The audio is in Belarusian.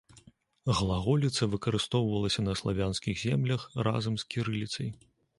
Глаголіца выкарыстоўвалася на славянскіх землях разам з кірыліцай.